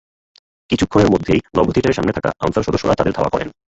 কিছুক্ষণের মধ্যেই নভো থিয়েটারের সামনে থাকা আনসার সদস্যরা তাদের ধাওয়া করেন।